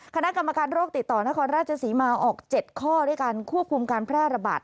คณะกรรมการโรคติดต่อนครราชศรีมาออก๗ข้อด้วยการควบคุมการแพร่ระบาด